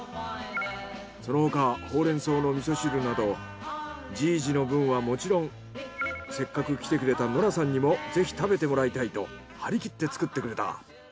その他ほうれん草のみそ汁などじいじの分はもちろんせっかく来てくれたノラさんにもぜひ食べてもらいたいと張り切って作ってくれた。